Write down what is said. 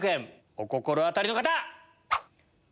お心当たりの方！